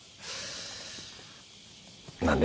何で？